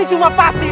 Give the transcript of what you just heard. ini cuma pasir